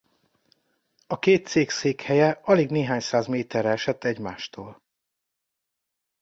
A két cég székhelye alig néhány száz méterre esett egymástól.